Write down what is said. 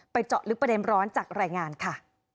เจาะลึกประเด็นร้อนจากรายงานค่ะ